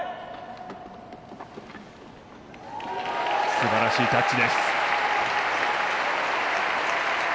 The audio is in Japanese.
すばらしいタッチ。